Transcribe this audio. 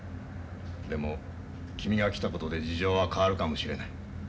でも君が来たことで事情が変わるかもしれない。